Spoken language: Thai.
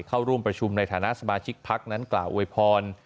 เข้าร่วมประชุมในฐานะสมาชิกพักนั้นกล่าวอวยพร